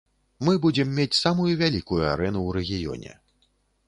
Мы будзем мець самую вялікую арэну ў рэгіёне.